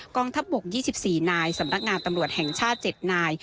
งทัพบก๒๔นายสำนักงานตำรวจแห่งชาติ๗นาย